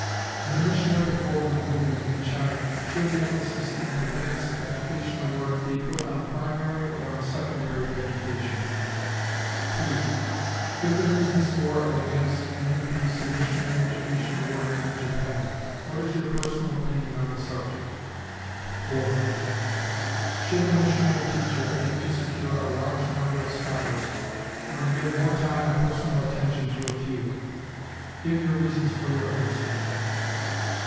In the missionary Forward Movement in China, should the emphasis in advance educational work be put on primary or on secondary education? 3. Give the reasons for and against an increase in Missionary educational work in Japan. What is your personal opinion on the subject? 4. Should the missionary teacher aim to secure a large number of scholars, or to give more time and personal attention to a few? Give your reasons for your answer.